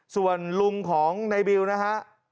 ส่วนลุงของในบิวนะฮะ